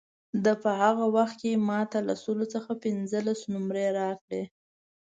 ده په هغه وخت کې ما ته له سلو څخه پنځلس نمرې راکړې.